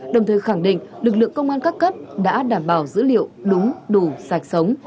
đồng thời khẳng định lực lượng công an các cấp đã đảm bảo dữ liệu đúng đủ sạch sống